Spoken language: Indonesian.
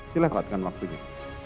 silahkan mengelakkan waktunya